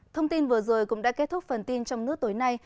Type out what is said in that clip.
thông tin vừa rồi cũng đã kết thúc phần tin trong nước tối nay